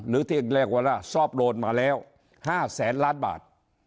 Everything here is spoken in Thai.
หรือที่อันแรกว่าซอฟต์โลนมาแล้ว๕๐๐๐๐๐ล้านบาท